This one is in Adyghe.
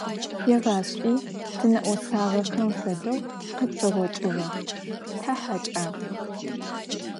Егъашӏи тинэӏосагъэхэм фэдэу къытпэгъокӏыгъэх, тахьэкӏагъ.